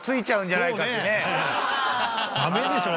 ダメでしょう。